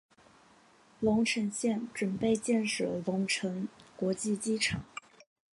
隆城县准备建设隆城国际机场。